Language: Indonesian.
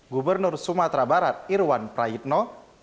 gubernur sumatera barat irwan prayitno